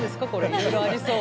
いろいろありそう。